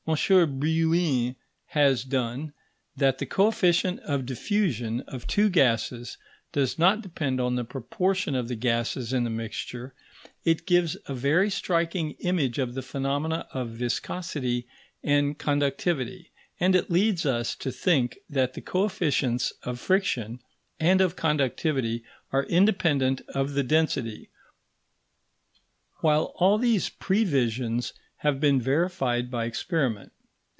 Brillouin has done, that the coefficient of diffusion of two gases does not depend on the proportion of the gases in the mixture; it gives a very striking image of the phenomena of viscosity and conductivity; and it leads us to think that the coefficients of friction and of conductivity are independent of the density; while all these previsions have been verified by experiment.